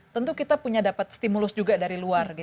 tentu kita punya dapat stimulus juga dari luar